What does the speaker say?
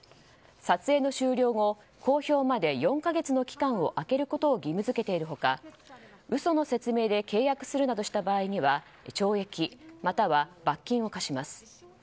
撮影の終了後、公表まで４か月の期間を開けることを義務付けている他嘘の説明で契約するなどした場合には懲役、または罰金を科します。